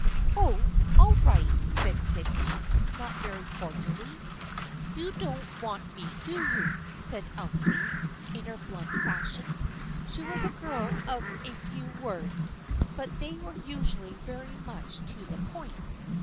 " Oh, all right," said Sydney, not very cordially. " You don't want me, do you ?" said Elsie, in her blunt fashion. She was a girl of few words but they were usually very much to the point.